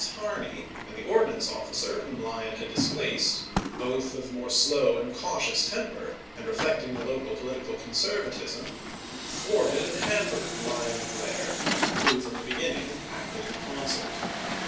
Harney, and the ord chap. xi. nance officer whom Lyon had displaced, both of more slow and cautious temper, and reflecting the local political conservatism, thwarted and ham pered Lyon and Blair, who from the beginning acted in concert.